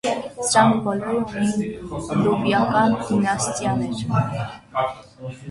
Սրանք բոլորը ունեին լուվիական դինաստիաներ։